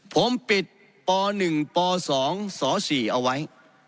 ผมปิดป๑ป๒ส๔เอาไว้